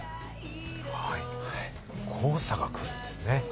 黄砂が来るんですね。